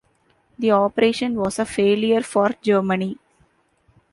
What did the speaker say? The operation was a failure for Germany.